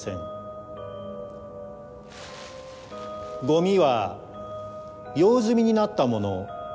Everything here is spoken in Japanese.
ゴミは用済みになったもの。